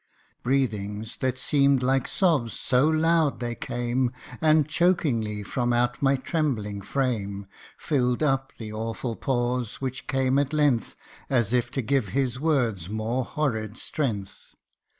Breathings that seem'd like sobs, so loud they came And chokingly from out my trembling frame, FilPd up the awful pause which came at length, As if to give his words more horrid strength.